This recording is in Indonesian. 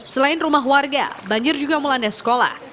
selain rumah warga banjir juga melanda sekolah